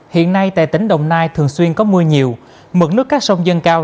hiện nay tại tỉnh đồng nai thường xuyên có mưa nhiều mực nước các sông dân cao